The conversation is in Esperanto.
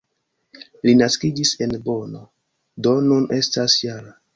Li naskiĝis en Bonno, do nun estas -jara.